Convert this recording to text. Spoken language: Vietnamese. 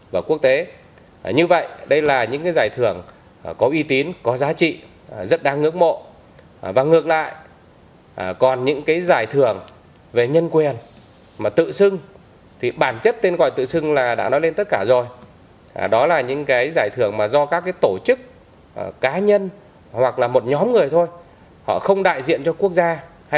mà cụ thể ở đây là liên hiệp quốc tôn vinh ghi nhận và tiêu chí tôn vinh ghi nhận đó là những cá nhân hoặc tổ chức có uy tín giải thưởng chính danh